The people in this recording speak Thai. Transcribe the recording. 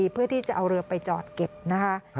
เพื่อที่จะเอาเรือไปจอดเก็บนะคะ